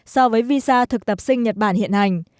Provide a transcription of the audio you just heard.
so với visa thực tập sinh nhật bản hiện hành